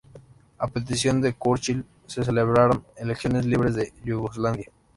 A petición de Churchill, se celebraron elecciones libres en Yugoslavia.